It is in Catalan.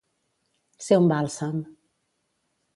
Ser un bàlsam.